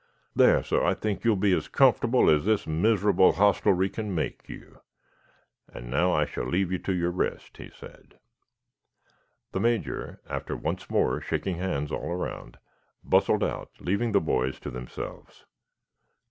"There, sah, I think you will be as comfortable as this miserable hostelry can make you. And now I shall leave you to your rest," he said. The Major, after once more shaking hands all around, bustled out, leaving the boys to themselves.